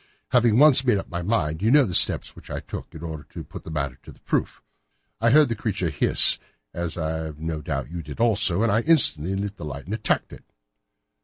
Having once made up my mind, you know the steps which I took in order to put the matter to the proof. I heard the creature hiss as I have no doubt that you did also, and I instantly lit the light and attacked it."